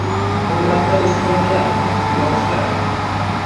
Hurmatli o'smirlar, yoshlar!